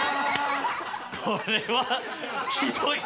これはひどい！